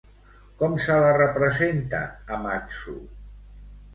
Com se la representa a Matsu?